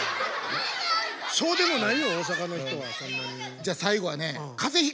じゃあ最後はね